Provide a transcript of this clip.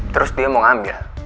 terus dia mau ngambil